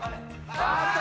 あーっと！